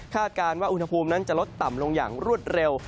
การว่าอุณหภูมินั้นจะลดต่ำลงอย่างรวดเร็ว